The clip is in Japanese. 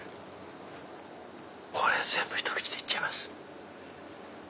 これ全部ひと口で行っちゃいます。